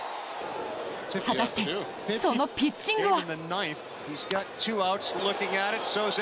果たして、そのピッチングは。